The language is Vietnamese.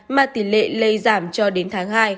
mà tỷ lệ lây giảm cho đến tháng hai